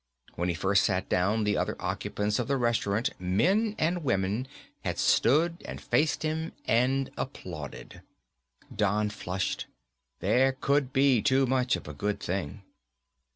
When he first sat down the other occupants of the restaurant, men and women, had stood and faced him and applauded. Don flushed. There could be too much of a good thing.